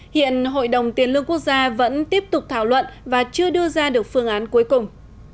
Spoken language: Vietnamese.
hiện hội đồng tiền lương quốc gia vẫn tiếp tục thảo luận và chưa đưa ra được phương án cuối cùng